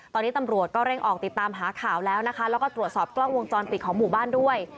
ตอนนี้ตำรวจก็เร่งออกติดตามหาข่าวแล้วนะคะแล้วก็ตรวจสอบกล้องวงจรปิดของหมู่บ้านด้วย